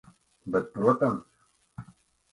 Bet protams.